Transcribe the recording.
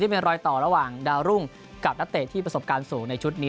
เป็นรอยต่อระหว่างดาวรุ่งกับนักเตะที่ประสบการณ์สูงในชุดนี้